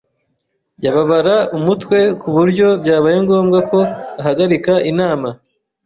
Yababara umutwe ku buryo byabaye ngombwa ko ahagarika inama.